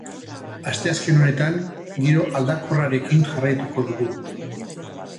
Asteazken honetan, giro aldakorrarekin jarraituko dugu.